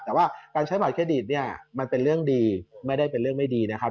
แต่ว่าการใช้บัตรเครดิตเนี่ยมันเป็นเรื่องดีไม่ได้เป็นเรื่องไม่ดีนะครับ